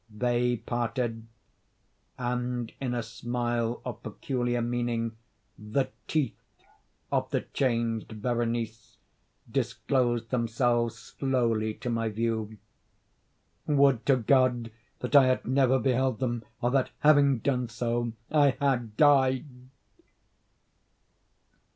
They parted; and in a smile of peculiar meaning, the teeth of the changed Berenice disclosed themselves slowly to my view. Would to God that I had never beheld them, or that, having done so, I had died!